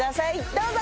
どうぞ。